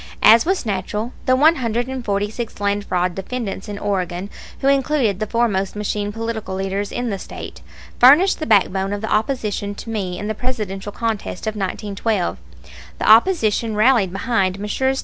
As was natural, the one hundred and forty six land fraud defendants in Oregon, who included the foremost machine political leaders in the State, furnished the backbone of the opposition to me in the Presidential contest of 1912. The opposition rallied behind Messrs.